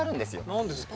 何ですか？